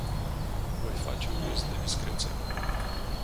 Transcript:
Voi face uz de discreția mea.